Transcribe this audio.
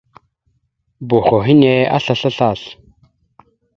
Boho henne aslasl aslasl.